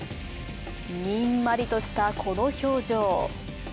にんまりとしたこの表情。